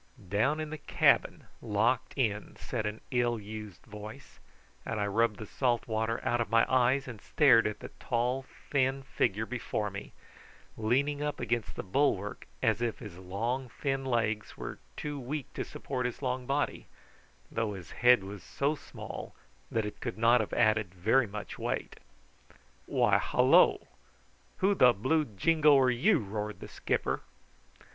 "Down in the cabin locked in," said an ill used voice; and I rubbed the salt water out of my eyes, and stared at the tall thin figure before me, leaning up against the bulwark as if his long thin legs were too weak to support his long body, though his head was so small that it could not have added very much weight. "Why, hallo! Who the blue jingo are you?" roared the skipper.